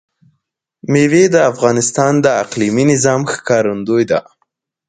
مېوې د افغانستان د اقلیمي نظام ښکارندوی ده.